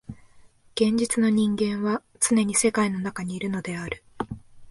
現実の人間はつねに世界の中にいるのである。